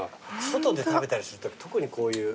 外で食べたりするとき特にこういう。